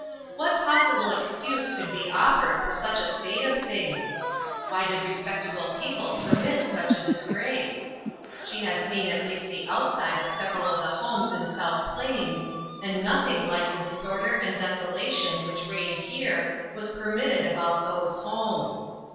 What pos sible excuse could be offered for such a state of things? Why did respectable peo ple permit such a disgrace? She had seen at least the outside of several of the homes in South Plains, and nothing like the dis order and desolation which reigned here, was permitted about those homes.